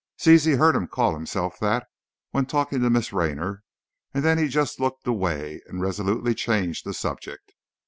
Zizi heard him call himself that when talking to Miss Raynor, and then he just looked away, and resolutely changed the subject.